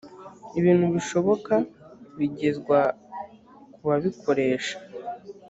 ibintu bishoboka bigezwa ku babikoresha